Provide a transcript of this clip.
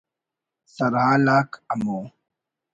سرحال آک ہمو